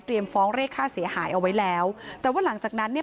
ฟ้องเรียกค่าเสียหายเอาไว้แล้วแต่ว่าหลังจากนั้นเนี่ย